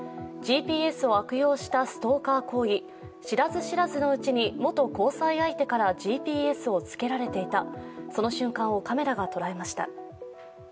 ＧＰＳを悪用したストーカー行為、知らず知らずのうちに元交際相手からＧＰＳをつけられていた、その瞬間をカメラが捉えました。